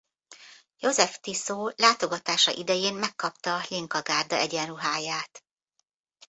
Jozef Tiso látogatása idején megkapta a Hlinka-gárda egyenruháját.